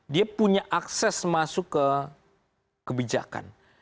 dia punya akses masuk ke kebijakan